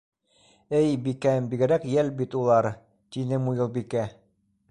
— Эй, бикәм, бигерәк йәл бит улар, — тине Муйылбикә.